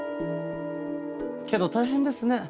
けど大変ですね。